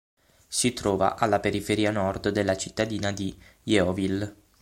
Si trova alla periferia nord della cittadina di Yeovil.